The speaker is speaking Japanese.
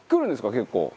結構。